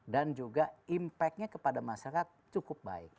dan juga impactnya kepada masyarakat cukup baik